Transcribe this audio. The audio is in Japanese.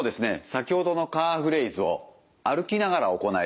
先ほどのカーフレイズを歩きながら行えてしまう。